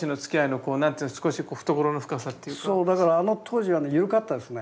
だからあの当時はねゆるかったですね。